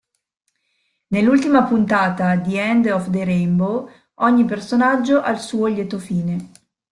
Nell'ultima puntata, "The End of The Rainbow", ogni personaggio ha il suo 'lieto fine'.